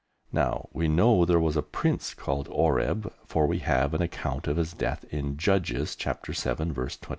Now we know there was a prince called Oreb, for we have an account of his death in Judges, Chapter 7, Verse 25.